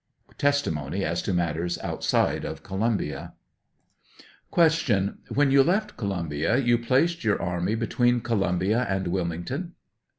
(Testimony as to matters outside of Columbia.) Q. When you left Columbia, you placed your army between Columbia and Wilmington